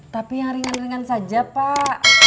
tapi yang ringan ringan saja pak